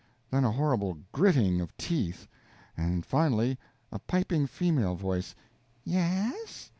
_ then a horrible "gritting" of teeth, and finally a piping female voice: Y e s?